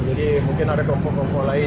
jadi mungkin ada kelompok kelompok lain